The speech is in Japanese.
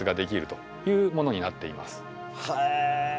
へえ。